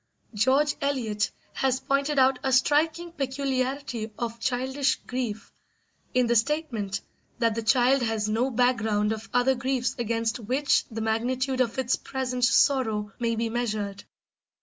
George Eliot has pointed out a striking peculiarity of childish grief in the statement that the child has no background of other griefs against which the magnitude of its present sorrow may be measured.